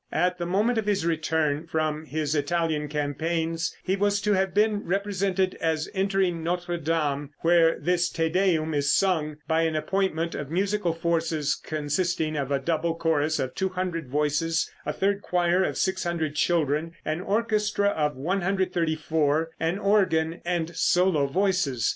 At the moment of his return from his Italian campaigns, he was to have been represented as entering Notre Dame, where this "Te Deum" is sung by an appointment of musical forces consisting of a double chorus of 200 voices, a third choir of 600 children, an orchestra of 134, an organ, and solo voices.